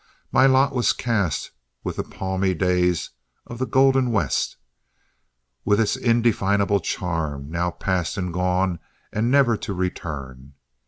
My lot was cast with the palmy days of the golden West, with its indefinable charm, now past and gone and never to return.